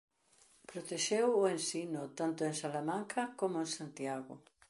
Protexeu o ensino tanto en Salamanca coma en Santiago.